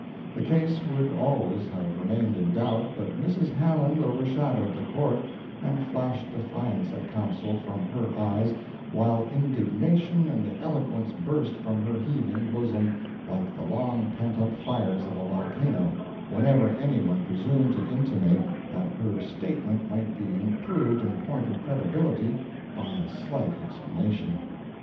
The case would always have remained in doubt, but Mrs. Hammond overshadowed the Court, and flashed defiance at counsel, from her eyes, while indignation and eloquence burst from her heaving bosom, like the long pent up fires of a volcano, whenever any one presumed to intimate that her statement might be improved in point of credibility, by a slight explanation.